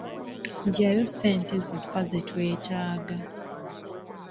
Ggyayo ssente zokka ze weetaaga